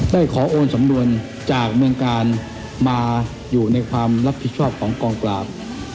ขอโอนสำนวนจากเมืองกาลมาอยู่ในความรับผิดชอบของกองปราบ